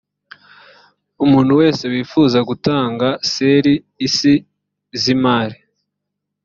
umuntu wese wifuza gutanga ser isi z imari